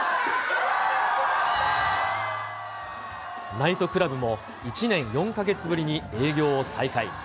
ナイトクラブも１年４か月ぶりに営業を再開。